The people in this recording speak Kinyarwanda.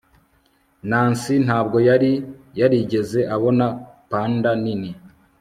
nancy ntabwo yari yarigeze abona panda nini